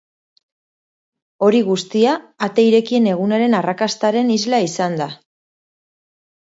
Hori guztia ate irekien egunaren arrakastaren isla izan da.